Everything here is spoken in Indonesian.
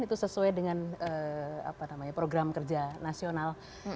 itu sesuai dengan program kerja nasional